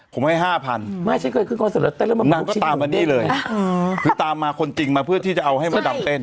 ผมให้๕๐๐๐บาทนางก็ตามไปนี่เลยคือตามมาคนจริงมาเพื่อที่จะเอาให้มดดำเต้น